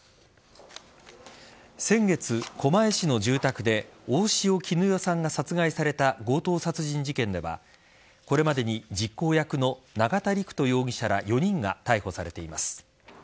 先月、狛江市の住宅で大塩衣与さんが殺害された強盗殺人事件ではこれまでに実行役の永田陸人容疑者ら４人が逮捕されています。